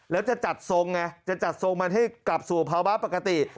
แล้วจะจัดทรงไงจะจัดทรงมันให้กลับสู่ภาวะปกติ